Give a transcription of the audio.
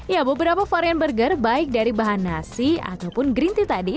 ya beberapa varian burger baik dari bahan nasi ataupun green tea tadi